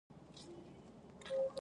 ایا ستاسو ستونزې حل شوې؟